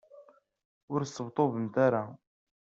Ur sṭebṭubemt ara.